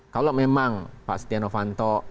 kalau memang pak setia novanto